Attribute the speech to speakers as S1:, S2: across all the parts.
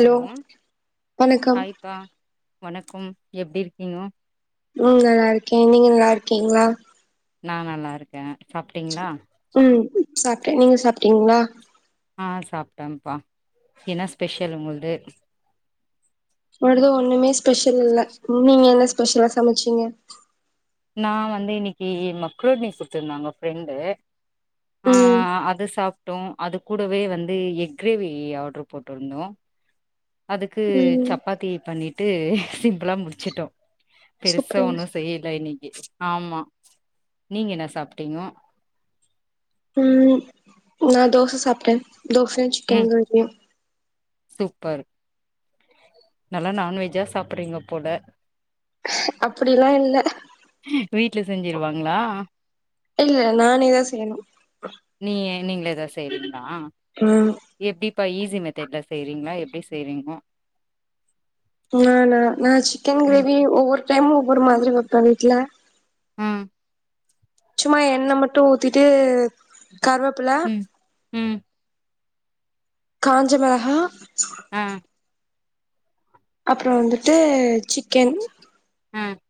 S1: Hello
S2: வணக்கம்
S1: ஹாய்ப்பா வணக் கம் எப்டி இருக்கீங்கோ
S2: ம் நல்லா இருக்கே நீங்க நல்லா இருக்கீங்ளா
S1: நா நல்லா இருக்க சாப்டீங்ளா
S2: சாப்ட்ட நீங்க சாப்ட்டீங்ளா
S1: ஆ சாப்ட்டம்ப்பா என்ன ஸ்பெஷல் உங்கள்து
S2: னோடது ஒண்ணுமே ஸ்பெஷல் இல்ல நீங்க என்ன ஸ்பெஷலா சமச்சீங்க
S1: நா வந்து இன்னிக்கு மக்ரோனி சுட்டுத்தாங்க ஃப்ரெண்டு ஆ
S2: ம்
S1: அது சாப்ட்டோ அது கூடவே வந்து எக் க்ரேவி ஆர்டர் போட்ருந்தோ அதுக்கு
S2: ம்
S1: சப்பாத்தி பண்ணிட்டு சிம்பிளா முடிச்சுட்டோ பெருசா
S2: சூப்பர்
S1: ஒன்னு செய்யல இன்னிக் ஆமா நீங்க என்ன சாப்ட்டீங்கோ
S2: ம் நா தோச சாப்ட்ட தோச சிக்கன்
S1: ம்
S2: கிரேவி
S1: சூப்பர் நல்லா நான்வெஜ்ஜா சாப்பறீங்க போல
S2: அப்படிலா இல்ல
S1: வீட்டுல செஞ்சிருவாங்களா
S2: இல்ல நானேதா செய்யணு
S1: நீ நீங்களே தா செய் கால
S2: ம்
S1: எப்படி இப்ப ஈஸி மெத்தட்ல செய்றீங்களா எப்படி செய்றீங்க
S2: நானா நா சிக்கன் கிரேவி ஒரு டைம் ஒவ்வொரு மாதிரி வைப்ப வீட்டுல
S1: ஆ
S2: சும்மா என்ண மட்டும் ஊத்திட்டு கருவேப்பில
S1: உம்
S2: காஞ்ச மிளகா
S1: ஆ
S2: அப்புறம் வந்துட்டு சிக்கன்
S1: ம்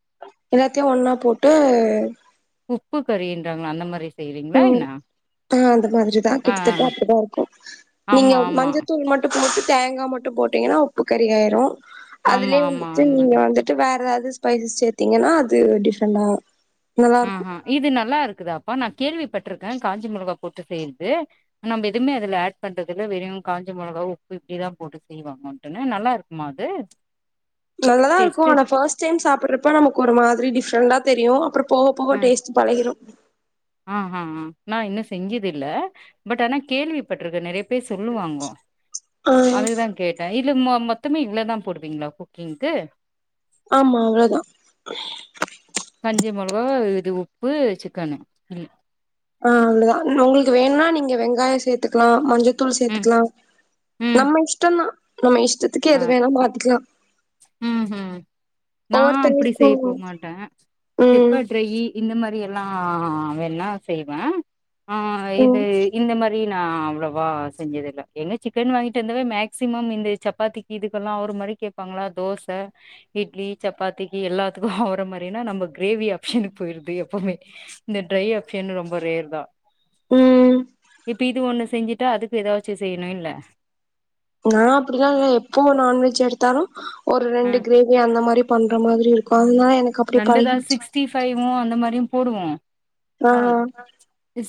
S2: எல்லாத்தையும் ஒன்னா போட்டு
S1: உப்பு கறின்றாங்களா அந்த மாரி செய்றீங்களா
S2: ம்
S1: என்ன
S2: ஆ அந்த மாதிரிதான்
S1: ஆ
S2: கிட்டத்தட்ட
S1: ஆ
S2: அப்படிதான் இருக்கும் நீங்க
S1: ஆமா ஆமா
S2: மஞ்சத்தூள் மட்டும் கொச்ச தேங்காய் மட்டும் போட்டீங்கன்னா உப்பு கறியாயிரும்
S1: ஆமா
S2: அதுலயே
S1: ஆமா
S2: வந்துட்டு
S1: அந்த
S2: நீங்க
S1: மாதிரி
S2: வந்துட்டு வேற ஸ்பைசஸ் சேத்தீங்கன்னா அது டிஃப்ரெண்டா நல்லா
S1: ஆ
S2: இருக்கு
S1: இது நல்லா இருக்கு இருக்குதாப்பா நான் கேள்விப்பட்டிருக்கேன் காஞ்ச மிளகா போட்டு செய்யறது நம்ம எதுவுமே அதுல ஆட் பண்றதுல வெறும் காஞ்ச மிளகா உப்பு இப்படிதான் போட்டு செய்வாங்கட்டு நல்லா இருக்குமா அது
S2: நல்லாதா இருக்கு
S1: டேஸ்ட்டு
S2: ஆனா ஃபர்ஸ்ட் டைம் சாப்பிடுறப்ப நமக்கு ஒரு மாதிரி டி நல்லா தெரியும் அப்புறம் போக போக டேஸ்ட் பழகிரும்
S1: ஆ ஆ ஆ நான் இன்னும் செஞ்சது இல்ல பட் ஆனா கேள்விப்பட்டிருக்கன் நறைய பேரு சொல்லுவாங்க
S2: ஆ
S1: அதுக்குதான் கேட்டேன் இ இல்ல மொத்தமே இவ்ளதான் போடுவீங்களா குக்கிங்க்கு
S2: ஆமா அவ்ளவுதான்
S1: கஞ்சி மிளகா இது உப்பு சிக்கனு
S2: ஆ அவ்ளதான் உங்களுக்கு வேணுனா நீங்க வெங்காய சேர்த்துக்கலாம் மஞ்சத்துள் தூள்
S1: ம்
S2: சேர்த்துக்கலா
S1: ம்
S2: நம்ம இஷ்டம்ன்தா நம்ம இஷ் இஷ்டத்துக்கு
S1: ஆ
S2: எது வேணா மாத்திக்கலாம்
S1: ம் ஹிம் நான் அப்படி செய்ய
S2: ஒவ்வொருத்தங்களுக்கும்
S1: போ மாட்டேன்
S2: ம்
S1: பெப்பர் டிரையி இந்த மாரி எல்லா ல்லாம் வேன்னா செய்வேன் ஆ இது
S2: ம்
S1: இந்த மாரி பிரி நா அவ்வளவா செஞ்சது இல்ல எங்க சிக்கன் வாங்கிட்டு வந்தாவே மேக்சிமம் இந்த சப்பாத்திக்கு இதுக்கெல்லாம் ஒரு மாரி கேட்பாங்களா அது தோச இட்லி சப்பாத்திக்கு எல்லாத்துக்கும் அவர மாரினா நம்ம கிரேவி ஆப்ஷனுக்கு போயிறது எப்பவுமே இந்த ட்ரை ஆப்ஷன் ரொம்ப ரேர் தான்
S2: ம்
S1: இப்ப இது ஒண்ணுஸ் செஞ்சுட்டுா அதுக்கு ஏதாச்சு செய்யணும் இல்ல
S2: நா அப்படிலாம் இல்ல எப்போ நான்வெஜ் எடுத்தாலும் ஒரு ரெண்டு கிரேவி அந்த மாரிப் பண்ற மாதிரி இருக்கும் அதனா
S1: ரெண்டுதா சிக்ஸ்டி பஃபைவும் அந்த மாரியும் போடுவோம் ஆ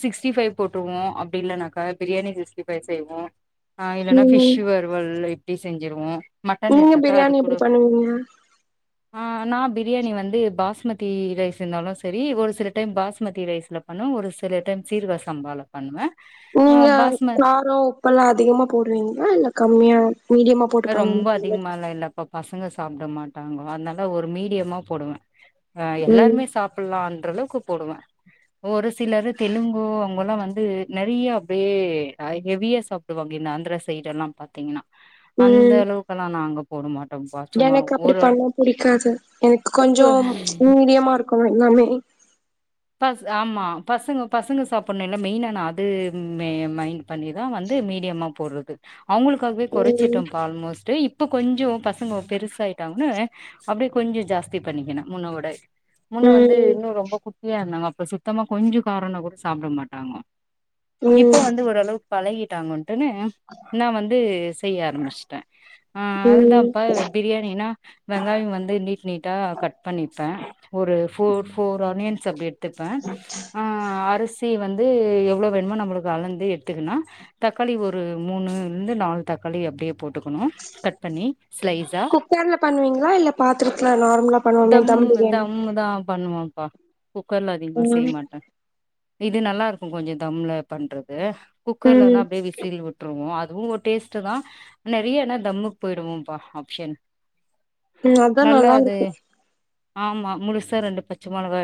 S1: சிக்ஸ்டி பைவ் போட்டுவோ அப்படி இல்லனாக்கா பிரியாணி சிக்ஸ்டி ஃபைவ் செய்வோ ஆ இல்லன்னா பிஷ்
S2: ம்
S1: வறுவல் இப் எப்படி செஞ்சுருவோ
S2: நீங்க பிரியாணி எப்படி பண்ணுவீங்க
S1: ஆ நா பிரியாணி வந் ந்து பாஸ்மதி ரைஸ் இருந்தாலு செரி ஒரு சில டைம் பாஸ்மதி ரைஸ்ல பண்ணுவே ஒரு சில டைம் சீரக சம்பால பண்ணுவே ஆ
S2: நீங்க
S1: பாஸ்ம
S2: காரோம் உப்பெல்லா அதிகமா போடுவீங்களா இல்ல கம்மியா மீடியமா போட்டு
S1: ரொம்ப
S2: பண்ணுவீங்களா
S1: அதிகமாலா இல்லப்பா பசங்க சாப்பிட மாட்டாங்கோ அதனால ஒரு மீடியமா போடுவே அ
S2: ம்
S1: எல்லாருமே சாப்பலா அந் ற்றளவுக்கு போடுவே ஒரு சிலர் தெலுங்கு அவங்கல்லா வந்து நெறையா அப்படியே ஹெவியா சாப்பிடுவாங்க இந்த ஆந்திர சைடு எல்லா பாத்தீங்கன்னா அந்த
S2: ம்
S1: அளவுக்கு எல்லா நாங்கப் போட மாட்
S2: எனக்கு அப்படி பண்ணா புடிக்காது எனக்கு
S1: பு
S2: கொஞ்சோ மீடியமா இருக்குனு எல்லாமே
S1: பஸ் ஆமா பசங்கோ பசங்க சாப்பிடணு இல்ல மெயினா நா அது மெ மைண்ட் பண்ணி தா வந்து மீடியமா போடுறது அவங்களுக்காகவே
S2: ம்
S1: குறைச்சிட்டோம்ப்பா ஆல்மோஸ்ட் இப் இப்போ கொஞ்சோ பசங்க பெருசாயிட்டாங்கன்னு அப்படியே கொஞ்சோ ஜாஸ்தி பண்ணிக்கணு முன்னோட முன்ன வந்து
S2: ம்
S1: இன்னு ரொம்ப கு இருந்தாங்க அப்ப சுத்தமா கொஞ்சோ காரோணா கூட சாப்பட மாட்டாங்கோ இப்போ
S2: ம்
S1: வந்து ஓரளவு. பழகிடங்கோ வந்துட்டுனு நா வந்து செய்ய ஆரம்பிச்டா
S2: ம்
S1: அதுதான்ப்ப பிரியாணி நா வெங்காய வந்து நீட் நீட்டா கட் பண்ணிப்ப ஒரு ஃபோர் ஃபோர் ஆனியன் அப்படி எடுத்துப்பே ஆ. அரிசி வந்து எவ்வளோ வேணுமோ நம்மளுக்கு அளந்து எடுத்துக்கணு தக்காளி ஒரு மூணுலேருந்து நாலு தக்காளி அப்படியே போட் க்கணும் கட் பண்ணி ஸ்லைசா ஆ
S2: குக்கர்ல பண்ணுவீங்களா இல்ல பாத்திரத்துல நார்மலா பண்ணுவோமே
S1: தம்
S2: பிரியாணி
S1: தம் தா பண்ணுவோ ஆ குக்கர்ல அதிகமாக
S2: ம்
S1: செய்ய மாட்ட இது நல்லா இருக்கு கொஞ்ச தம்ல பண்றது.
S2: ம்
S1: குக்கர்லனா அப்படியே விசில் விட்டுருவோ அது. அதுவு ஒரு டேஸ்ட் தா நிறைய என்ன தம்முக்கு போயிடுவோம்பா ஆப்ஷன்.
S2: உம் அதா நல்லா இருக்கு
S1: ஆமா முழுசா ரெண்டு பச்ச மிளகா.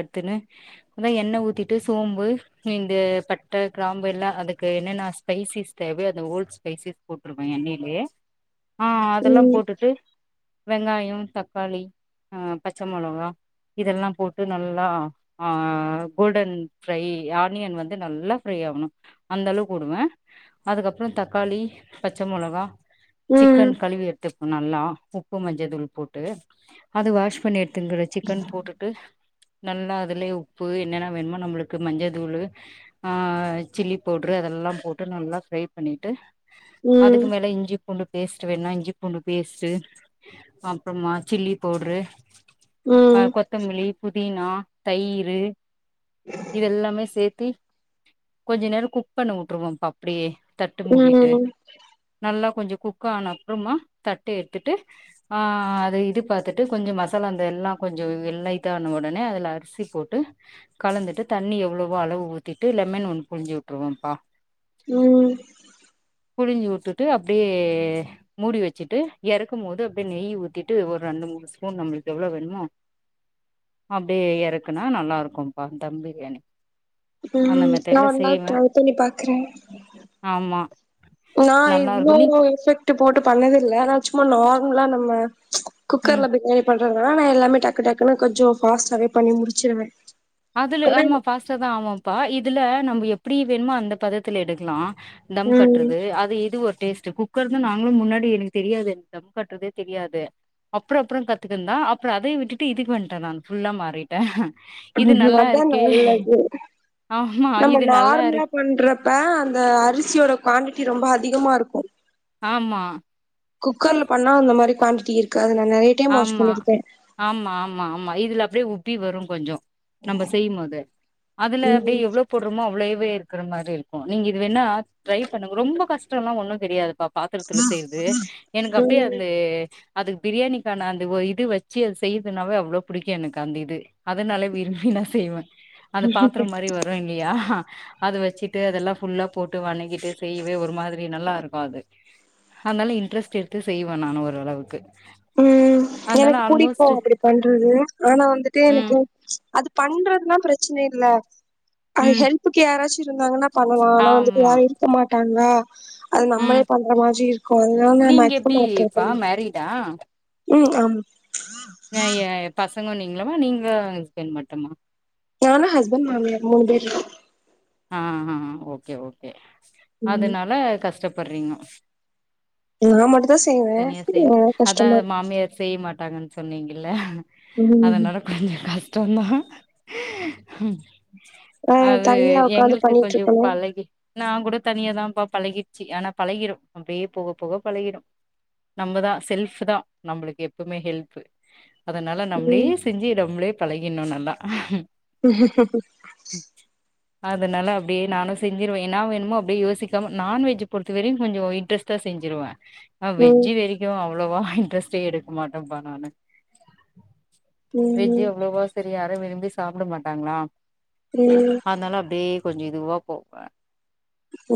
S1: அத எண்ணெ ஊத்திட்டு சோம்பு இந்த பட்ட கிராம்பு எல்லா அதுக்கு என்னன்ன ஸ்பைசிஸ் தேவ அத ஓல்டு் ஸ்பைசிஸ் போட்டிருவே எண்ணெயிலயே. ஆ அதெல்லா
S2: ம்
S1: போட்டுட்டு. வெங்காய தக்காளி ஆ பச்ச மிளகா இதெல்லா போட்டு நல்லா. ஆ கோல்டன் ஃரை ஆனியன் வந்து நல்லா ஃப்ரை ஆகணு அந்த அளவுக்கு கூடுவே அதுக்கப்புறம் தக்காளி பச்ச மிளகா.
S2: ம்
S1: சிக்கன் கழுவி எடுத்து. நல்லா உப்பு மஞ்சள் தூள் போட்டு அது வாஷ் பண்ணி எடுத்துங்கிற சிக்கன் போட்டுட்டு நல்லா. அதுலயே உப்பு என்னென்ன வேணுமோ நம்மளுக்கு மஞ்சள் தூள் ஆ சில்லி பவுட்ரு அதெல்லா போட்டு நல்லா ஃப்ரை பண்ணிட்டு.
S2: ம்
S1: அதுக்கு மேல இஞ்சி. பூண்டு பேஸ்ட்ட் வேணு இஞ்சி பூண்டு பேஸ்ட்டு அப்புறமா சில்லி பவுட்ரு. அ
S2: ம்
S1: கொத்தமல்லி புதினா. தயிரூ இதெல்லாமே சேர்த். கொஞ்ச நேரம் குக் பண்ண விட்டுருவோ அப்படியே. தட்டு மூடிட்டு
S2: ம்
S1: நல்லா கொஞ்ச குக் குக் ஆனா அப்புறமா தட்ட எடுத்துட்டு அத இது பார்த்துட்டு கொஞ்ச மசாலா இந்த எல்லா கொஞ்ச வேலைட்டா ஆனா உடனே அதில அரி சி போட்டு கலந்துட்டு தண்ணி எவ்வளவோ அளவு ஊத்திட்டு லெமன் ஒண்ணு புழிஞ்சி விட்டுருவோப்பா.
S2: ம்
S1: புழுஞ்சி விட்டு. அப்படியே மூடி வச்சிட்டு இறக்கு போது அப்படியே நெய் ஊதிட்டு ஒரு ரெண்டு மூணு ஸ்பூன் நம்மளுக்கு இவளளோ வேணுமோ அப்படியே இறக் இருக்குனா நல்லா இருக்கும்ப்பா தம் பிரியாணி
S2: உம்
S1: அந்த
S2: நா
S1: மெத்தட்ல
S2: ஒரு நாள்
S1: செய்வே
S2: ட்ரை பண்ணி பாக்குறே
S1: ஆமா
S2: நா
S1: நல்லா இருக்கு
S2: இவ்ளோ
S1: நீ
S2: எஃபெக்ட் விட்டு போட்டு பண்ணதில்ல ஆனா சும்மா நார்மலா நம்ம
S1: ம்
S2: குக்கர்ல பிரியாணி பண் நா எல்லாமே டக்கு டக்குன்னு கொஞ்ச ஃபாஸ்ட்டாவே பண்ணி முடிச்சிருவே
S1: அதுல
S2: ஆனா
S1: ஆமா ஃபாஸ்ட்டா தா ஆகும்ப்பா இது இதுல நம்ம எப்படி வேணுமோ அந்த பதத்துல எடுக்கலா தம்
S2: ம்
S1: கட்டுறது அது எது ஒரு டேஸ்ட்ட் கு குக்கர் தா நாங்களு முன்னாடி எனக்கு தெரியாது எனக்கு தான் பண்ணுறதே தெரியாது அப்புறம் அப்புறம் கத்துக்குந்தா அப்புறம் அத விட்டுட்டு இதுக்கு வந்துட்டே நா ஃபுல்லா மாறிட்டே இது நல்லா
S2: அதா
S1: இருக்கே
S2: நல்லது
S1: ஆமா
S2: நம்ம
S1: இது நல்லா
S2: நார்மலா
S1: இருக்
S2: பண்றப்ப அந்த அரிசியோட குவாடிட்டி ரொம்ப அதிகமா இருக்கு
S1: ஆமா
S2: குக்கர்ல பண்ணா அந்த மாதிரி குவாட்டி இருக்காது நினை
S1: ஆமா ஆமா ஆமா ஆமா இதுல அப்படியே ஓட்டி வரும் கொஞ்சோ நம்ம செய்யு போது அதுல அப்படியே
S2: ம்
S1: எவ்வளவு போடுறோமோ அவ்ளோ இருக்கிற மாரி இருக்கு நீங்க இது வோ ட்ரை பண்ணு ரொம்ப கஷ்டல்லா ஒண்ணு தெரியாது பா பாத்திரத்துல செய்றது எனக்கு அப்டியே
S2: ம்
S1: அந்த அதுக்கு பிரியாணி நா அந்த இது வச்சு அது செய்யதுனாவே அவ்ளோ பிடிக்கு எனக்கு அந்த இது அதனால விரும்பி நா செய்வே அந்த பாத்திர மாரி வரு இல்லையா அது வச்சிட்டு அதெல்லா புல்லா போட்டு வணக்கிட்டு செய்யவே ஒரு மாதிரி நல்லாருக்கு அது அதனால இன்ட்ரெஸ்ட்டு எடுத்து செய்வே நான ஓரளவுக்கு
S2: ம்
S1: அதனால
S2: எனக்கு புடிக்கு
S1: ஆல்மோஸ்ட்
S2: அப்டி பண்றது ஆனா வந்துட்டு
S1: ம்
S2: எனக்கு அது பண்றதுன்னா ப்ரச்ச ப்ரச்சின இல்ல அ
S1: ம்
S2: ஹெல்க்கு யாராச்சு இருந்தாங்கன்னா பண்ணலா ஆனா வந்துட்டு
S1: ஆமா
S2: யாரு இருக்க மாட்டாங் ந அது நம்மளே
S1: ம்
S2: பண்ற மாரி இருக்கு அதனால நா
S1: நீங்க
S2: மேக்சிமம் அத ட்ரை
S1: எப்டிப்பா
S2: பண்றே ம் ஆமா
S1: ந ஏ பஸ் பசங்க நீங்களாமா நீங்களு ஹஸ்பண்ட் மட்டுமா
S2: நானா ஹஸ்பண்ட் மாமியர் மூணு பேர் இரு
S1: ஆஹா ஓகே ஓகே
S2: ம்
S1: அதனால கஷ்டப் பர்றீங்க
S2: நா மட்டுந்தா செய்வே
S1: தனியா செய்
S2: அதனால
S1: அதா
S2: கஷ்டமா
S1: மாமியார் செய்ய மாட்டாங்கன்னு சொன்னீங் இல்ல
S2: இருக்கு ம்
S1: அதனால கொஞ்சோ கஷ் சொன்னா
S2: ஆ தனியா உக்காந்து
S1: எங்களுக்கு கொஞ்சோ
S2: பண்ணிட்ருக்கணு
S1: பழகி நா கூட தனியாதா ப்பா பழகிடுச்சு ஆனா பழகிரு அப்டியே போக போக பழகிடு நம்மதா செல்ஃப் தா நம்மளுக்கு எப்வுமே ஹெல்ஃப்பு அதனால நம்மளே
S2: ம்
S1: செஞ்சு நம்மளே பழகிறணு நல்லா அதனால அப்டியே நானு செஞ்சிருவே என்னா வேணுமோ அப்டியே யோசிக்காம நான்வெஜ் பொருத்தவரையு கொஞ்சோ ஒய்ட் ரைஸ்தா செஞ்சிருவே ஆ
S2: ம்
S1: வெஜ்ஜி வெரிக்க அவ அவ்வளவா இன்ட்ரெஸ்ட்டே எடுக்க மாட்டேப்பா நானு வெஜ்
S2: ம்
S1: எவ்ளோவ சரி யாரு விரும்பி சா சாப்பிட மாட்டாங்களா
S2: உம்
S1: டியே கொஞ்சோ இதுவா போவ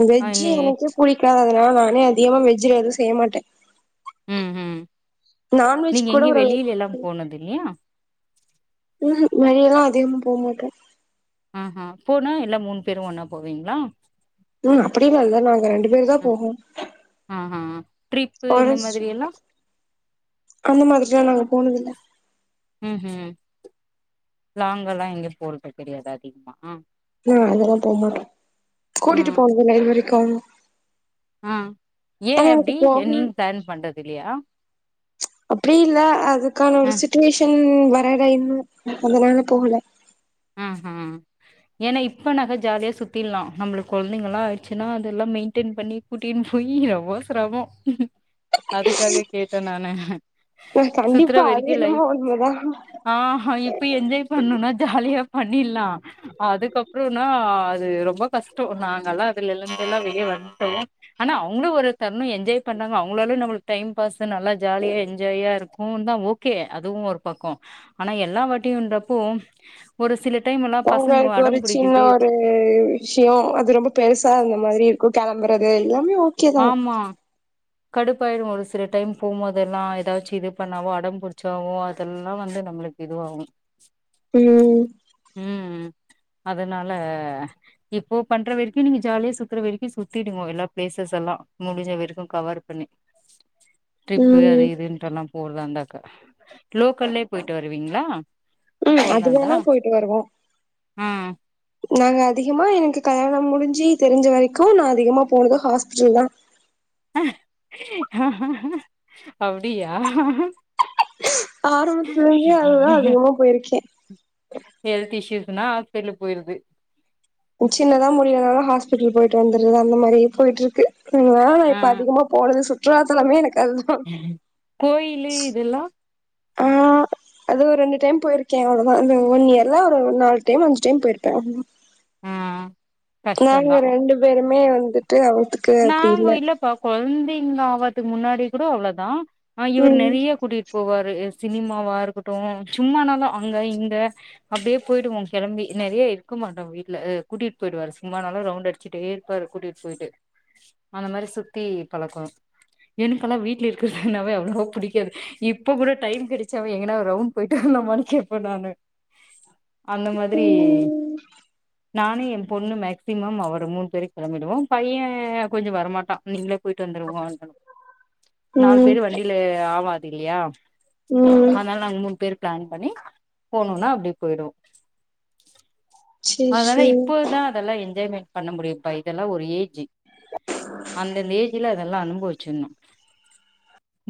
S2: வெஜ் எனக்கே புடிக்காத நானே அதிகமா வெஜ்ல எதுவு செய்ய மாட்ட
S1: ம் ம் நீங்க
S2: கூட
S1: எங்க
S2: ஒரு
S1: வெளியில எல்லா போனது இல்லையா
S2: ம் கூ வெளிய எல்லா அதிகமா போ மாட்ட
S1: ம் ம் போனா எல்லா மூணு பேரு ஒன்னா போவீங்களா
S2: உம் அப்டியெல்ல இல்ல நாங்க ரெண்டு பேரு தா
S1: ம்,
S2: போவோ
S1: ஆஹா ட்ரிப்பு இந்த
S2: ஒருஸ்
S1: மாதிரி எல்லா
S2: அந்த மாதிரியெல்லா நாங்க போனதில்ல
S1: ம் ம் லாங்க எல்லா எங்கயு போறது கிடையாது அதிகமா
S2: ஆ அதெல்லா போ மாட்டோ கூட்டிட்டு
S1: ம்
S2: போனதில்ல இது வரைக்கு
S1: ஆ ஏ
S2: ஆனா எனக்கு
S1: அப்டி
S2: போகணு
S1: நீங்க பிளான் பண்றது இல்லையா
S2: அப்டி இல்ல அதுக்கான
S1: அ
S2: ஒரு சுச்சுவேஷன் வரல இன்னு அதனால போகல
S1: ம் ம் ஏன்னா இப்ப நக ஜாலியா சுத்திடலா நம்மளுக்கு கொழந்தைங்க எல்லா ஆயிடுச்சுன்னா அதெல்லா மெயின்டென் பண்ணி கூட்டினு போயி ரொம்ப சிரமோ அதுக்காக கேட்டே நானு
S2: ஆ
S1: சுத்துரா
S2: கண்டிப்பா அது
S1: வடிக்க
S2: என்னமோ
S1: லைஃப்
S2: உண்மதா
S1: ஆ அ இப்ப என்ஜாய் பண்ணும்னா ஜாலியா பண்ணிடலா அதுக்கப்புறம்னா அது ரொம்ப கஷ்டோ நாங்கெல்லா அதுல இருந்தெல்லா வெளியே வன்துட்டோ ஆனா அவங்களு ஒரு தருணோ என்ஜாய் பண்றங்க அவங்களாலு நம்ம டைம் பாஸ்ஸு நல்லா ஜாலியா என்ஜாயா இருக்கூ தா ஓகே அதுவு ஒரு பக்கோ ஆனா எல்லா வாட்டியுன்றப்போ ஒரு சில டைம் எல்லா பசங்க
S2: ஒங்களுக்கு ஒரு
S1: அடம்
S2: சின்ன
S1: புடிக்குது
S2: ஒரு விஷ்யோ அது ரொம்ப பெருசா இருந்த மாதிரி இருக்கூ கெளம்ப றது எல்லாமே ஓகேதா
S1: கடுப்பாயிடுவோ ஒரு சில டைம் போம்போதெல்லா ஏதாச்சு இது பண்ணாவோ அடம் புடிச்சாவோ அதெல்லா வந்து நம்ளுக்கு இதுவாகு
S2: ம்
S1: உம் அதனால இப்போ பண்ற வரைக்கூ நீங்க ஜாலியா சுத்துற வரைக்கூ சுத்திடுங்க எல்லா ப்ளேஸ் பிளாஸ் எல்லா முடிஞ்ச வரைக்கூ கவர் பண்ணி ட்ரிப்பு அது
S2: ம்
S1: இதுன்ட்டெல்லா போதா இருந்தாக லோக்கல்லயே போய்ட்டு வருவீங்களா
S2: உம்
S1: போறதா இருந்தா
S2: அதுவேன போயிட்டு வருவோ
S1: ஆ
S2: நாங்க அதிகமா எனக்கு கல்யாணோ முடிஞ்சு தெரிஞ்ச வரைக்கூ நா அதிகமா போனது ஹாஸ்பிட்டல் தா
S1: அப்டியா
S2: ஆரம்பத்துலருந்தே அதுதா அதிகமா போய்ருக்கே
S1: ன்னா ஹாஸ்பிட்டல் போய்றது
S2: சின்னதா முடிலனாலு ஹாஸ்பிட்டல் போயிட்டு வந்துறது அந்த மாரி போய்ட்ருக்கு இல்ல இப்ப
S1: ஆ
S2: அதிகமா போனது சொ ற்றோ தலமே எனக்கு அதுதா
S1: கோயிலு இதெல்லா
S2: ஆ அது ஒரு ரெண்டு டைம் போய்ருக்கே அவ்ளோ தா இந்த ஒன் இயர்ல ஒரு நாலு டைம் அஞ்சு டைம் போய்ருப்பே அவ்
S1: ஆ
S2: நாங்க
S1: கஷ்டந்தா
S2: ரெண்டு பேரு மே வந்து ட்டு அவுத்துக்கு அப்டி இல்ல
S1: தைங்க ஆவத்துக்கு முன்னாடி கூட அவ்ளோ தா ஆ இவர்
S2: ம்
S1: நெறைய கூட்டி போவாரு சினிமாவா இருக்கட்டூ சும்மா நாலூ அங்க இங்க அப்டியே போய்டுவோ கெளம்பி நெறைய இருக்க மாட்டோ வீட்ல கூட்டிட்டு போய்டுவாரு சும்மா நாலூ ரவுண்ட் அடிச்சுட்டேருப்பாரு கூட்டிட்டு போய்ட்டு அந்த மாரி சுத்தி பழக்கோ எனக்கெல்லா வீட்ல இருக்குறதுனாவே அவ்ளவா பிடிக்காது இப்ப கூட டைம் கெடைச்சாவே எங்கன்னா ரவுண்ட் போயிட்டு வரலாமானு கேப்பே நானு அந்த மாதிரி
S2: ம்
S1: நானு ஏ பொண்ணு மேக்சிமம் அவரு மூணு பேரூ கெளம்பிடுவோ பையே ஏ கொஞ்சோ வரமாட்டா நீங்களே போய்ட்டு வந்துருங்க நாலு
S2: ம்
S1: பேரு வண்டில ஆவா தில்லயா
S2: ம்
S1: ஆனால நாங்க மூணு பேரு ப்ளான் பண்ணி போனுனா அப்டி போய்டுவோ அதனால இப்போதா அதெல்லா என்ஜாய்மெண்ட் பண்ண முடியப்ப இதெல்லா ஒரு ஏஜ் அந்தந்த ஏஜ்ல அதல்லா அனுபவிச்சிர்னு மு